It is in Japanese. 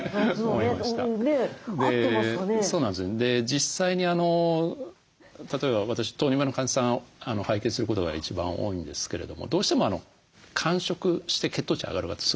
実際に例えば私糖尿病の患者さんを拝見することが一番多いんですけれどもどうしても間食して血糖値上がる方すごい多いんですね。